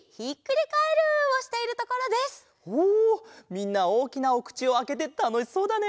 みんなおおきなおくちをあけてたのしそうだね！